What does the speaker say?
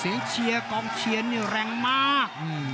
หือมมสีเชียร์เกาะเชียร์เนี่ยแรงมาก